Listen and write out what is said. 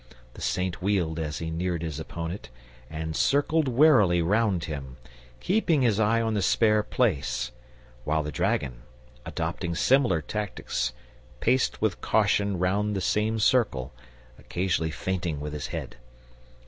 The Saint wheeled as he neared his opponent and circled warily round him, keeping his eye on the spare place; while the dragon, adopting similar tactics, paced with caution round the same circle, occasionally feinting with his head.